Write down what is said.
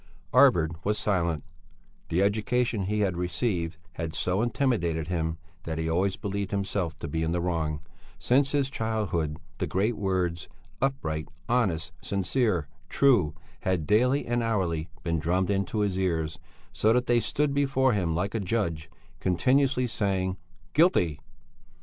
Arvid was silent; the education he had received had so intimidated him that he always believed himself to be in the wrong; since his childhood the great words "upright, honest, sincere, true," had daily and hourly been drummed into his ears, so that they stood before him like a judge, continuously saying: "Guilty...."